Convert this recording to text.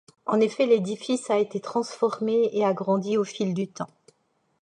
En effet, l'édifice a été transformé et agrandi au fil du temps.